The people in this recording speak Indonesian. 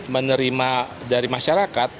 menerima dari masyarakat